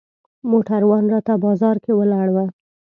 موټروان راته بازار کې ولاړ و.